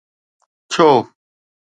ڇو؟